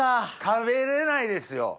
食べれないですよ。